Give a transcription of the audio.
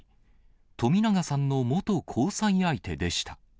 冨永さんの元交際相手でした。